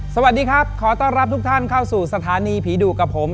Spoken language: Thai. สวัสดีครับขอต้อนรับทุกท่านเข้าสู่สถานีผีดุกับผม